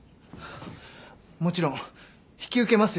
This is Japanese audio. もちろん引き受けますよね？